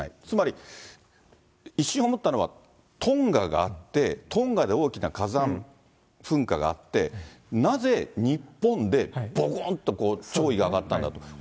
つまり一瞬思ったのは、トンガがあって、トンガで大きな火山噴火があって、なぜ日本でぼこんと潮位が上がったんだと。